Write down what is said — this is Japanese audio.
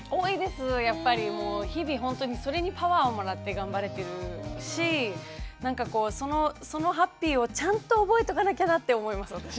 やっぱりもう日々ほんとにそれにパワーをもらって頑張れてるしなんかこうそのハッピーをちゃんと覚えとかなきゃなって思います私。